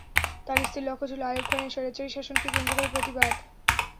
তাঁর স্থির লক্ষ্য ছিল আইয়ুব খানের স্বৈরাচারী শাসনকে কেন্দ্র করে প্রতিবাদ।